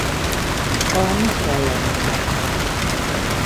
A Mi kell a nőnek?